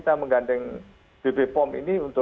itu karena kurang jelas itu